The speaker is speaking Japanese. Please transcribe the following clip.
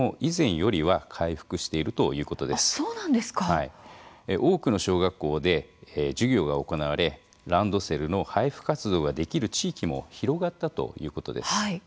はい多くの小学校で授業が行われランドセルの配布活動ができる地域も広がったということです。